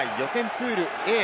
プールＡ。